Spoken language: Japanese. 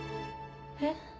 えっ？